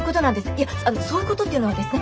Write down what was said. いやそういうことっていうのはですね